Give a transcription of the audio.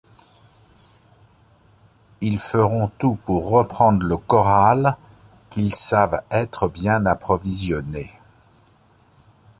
Ils feront tout pour reprendre le corral, qu’ils savent être bien approvisionné